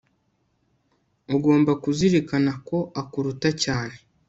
ugomba kuzirikana ko akuruta cyane